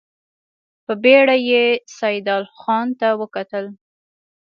په بېړه يې سيدال خان ته وکتل.